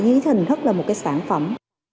dưới hình thức là một sản phẩm